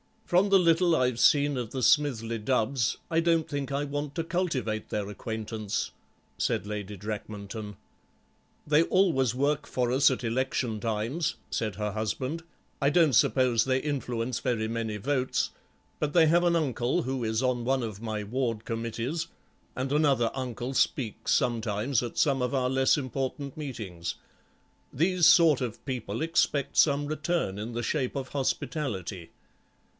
"From the little I've seen of the Smithly Dubbs I don't thing I want to cultivate their acquaintance," said Lady Drakmanton. "They always work for us at election times," said her husband; "I don't suppose they influence very many votes, but they have an uncle who is on one of my ward committees, and another uncle speaks sometimes at some of our less important meetings. Those sort of people expect some return in the shape of hospitality."